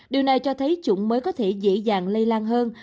điều này cho thấy chủng mới có thể dễ dàng lây lan hơn